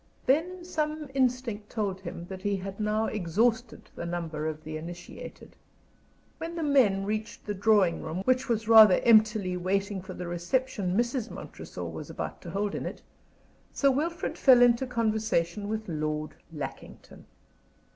Then some instinct told him that he had now exhausted the number of the initiated. When the men reached the drawing room, which was rather emptily waiting for the "reception" Mrs. Montresor was about to hold in it, Sir Wilfrid fell into conversation with Lord Lackington.